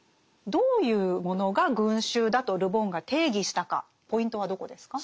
どういうものが「群衆」だとル・ボンが定義したかポイントはどこですか？